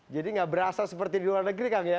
jadi nggak berasa seperti di luar negeri kang ya